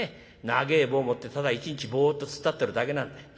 長え棒持ってただ一日ぼっと突っ立ってるだけなんだよ。